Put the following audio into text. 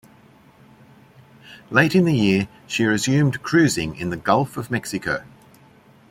Late in the year, she resumed cruising in the Gulf of Mexico.